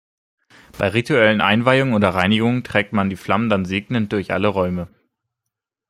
Bei rituellen Einweihungen oder Reinigungen trägt man die Flammen dann segnend durch alle Räume.